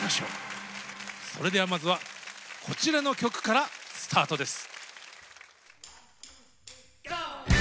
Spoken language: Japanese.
それではまずはこちらの曲からスタートです。